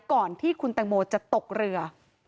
ก่อนที่คุณแตงโมจะตกเรือ